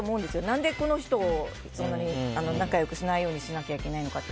何で、この人を仲良くしないようにしなきゃいけないのかって。